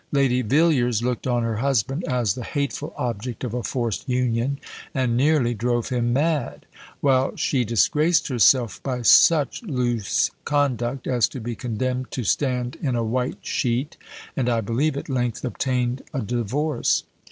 Lady Villiers looked on her husband as the hateful object of a forced union, and nearly drove him mad; while she disgraced herself by such loose conduct as to be condemned to stand in a white sheet, and I believe at length obtained a divorce.